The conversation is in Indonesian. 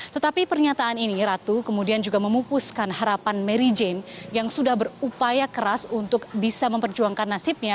tetapi pernyataan ini ratu kemudian juga memupuskan harapan mary jane yang sudah berupaya keras untuk bisa memperjuangkan nasibnya